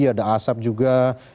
ada asap juga